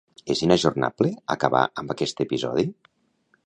És inajornable acabar amb aquest episodi?